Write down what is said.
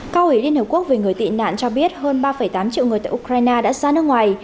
câu hỏi liên hiệp quốc về người tị nạn cho biết hơn ba tám triệu người tại ukraine đã ra nước ngoài